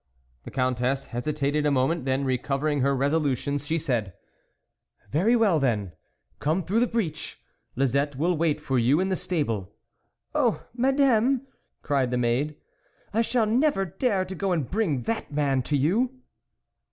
The Countess hesitated a moment, then, recovering her resolution, she said :" Very well then ; come through the breach; Lisette will wait for you in the stable." "Oh! Madame," cried the maid, "I shall never dare to go and bring that man to you